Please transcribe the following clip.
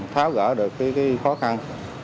tháo gỡ được cái khó khăn